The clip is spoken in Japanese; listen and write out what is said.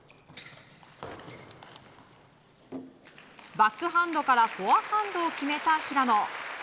バックハンドからフォアハンドを決めた平野。